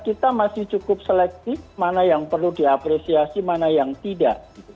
kita masih cukup selektif mana yang perlu diapresiasi mana yang tidak